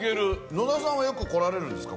のださんはよく来られるんですか？